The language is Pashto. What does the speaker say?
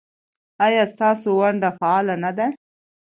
ایا ستاسو ونډه فعاله نه ده؟